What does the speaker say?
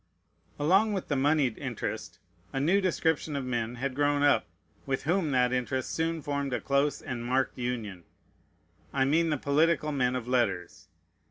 Along with the moneyed interest, a new description of men had grown up, with whom that interest soon formed a close and marked union: I mean the political men of letters.